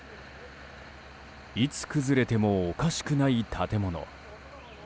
いつ崩れてもおかしくない建物。